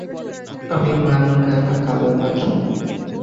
আমি মানগানা, কালো পাখি।